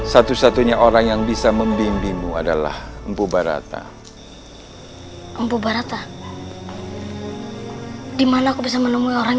satu satunya orang yang bisa membimbingmu adalah mpubarata mpubarata dimana aku bisa menemui orang